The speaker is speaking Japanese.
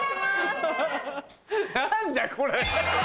何だこれ？